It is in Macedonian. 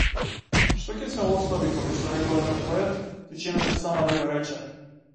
Што ќе се остави како што рекол еден поет тишината сама да го рече.